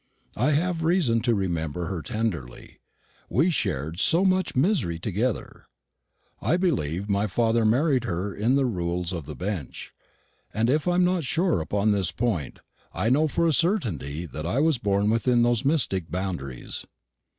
I have reason to remember her tenderly; we shared so much misery together. I believe my father married her in the Rules of the Bench; and if I am not sure upon this point, I know for a certainty that I was born within those mystic boundaries.